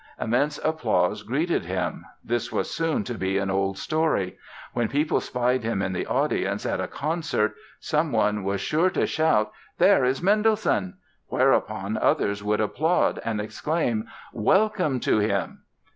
"Immense applause" greeted him. This was soon to be an old story. When people spied him in the audience at a concert someone was sure to shout: "There is Mendelssohn!"; whereupon others would applaud and exclaim: "Welcome to him!"